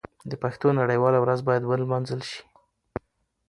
د پښتو نړیواله ورځ باید ونمانځل شي.